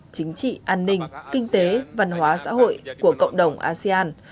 chính trị an ninh kinh tế văn hóa xã hội của cộng đồng asean